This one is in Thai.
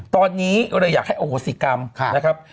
ตอนนี้เลยอยากให้โอโหสิกรรมนะครับ